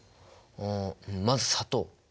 あまず砂糖。